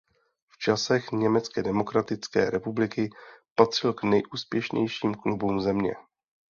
V časech Německé demokratické republiky patřil k nejúspěšnějším klubům země.